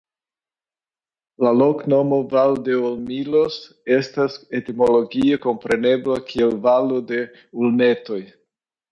La loknomo "Valdeolmillos" estas etimologie komprenebla kiel Valo de Ulmetoj.